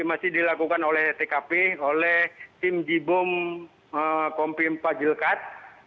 masih dilakukan oleh tkp oleh tim jibom kompim pajilkat